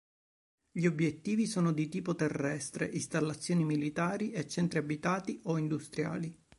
Gli obiettivi sono di tipo terrestre: installazioni militari e centri abitati o industriali.